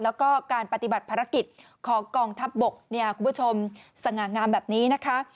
แล้วก็การปฏิบัติภารกิจของกองทัพบกเนี่ยคุณผู้ชมสง่างามแบบนี้นะคะ